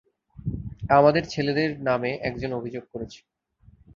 আমাদের ছেলেদের নামে একজন অভিযোগ করেছে।